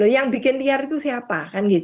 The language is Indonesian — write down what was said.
yang bikin liar itu siapa